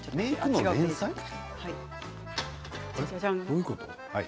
どういうこと？